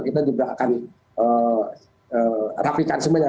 kita juga akan rapikan semuanya